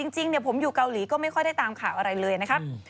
จริงผมอยู่เกาหลีก็ไม่ค่อยได้ตามข่าวอะไรเลยนะครับ